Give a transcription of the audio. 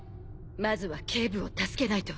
まずは警部を助けないと。